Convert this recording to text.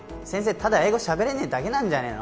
ただ英語喋れねえだけなんじゃねえの？